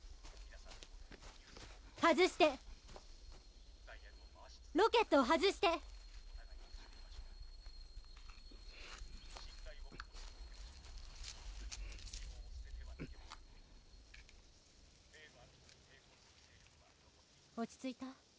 外してロケットを外して落ち着いた？